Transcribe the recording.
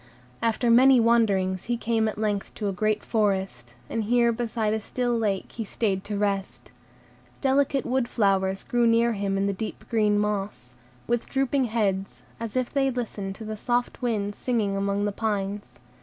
After many wanderings, he came at length to a great forest, and here beside a still lake he stayed to rest. Delicate wood flowers grew near him in the deep green moss, with drooping heads, as if they listened to the soft wind singing among the pines.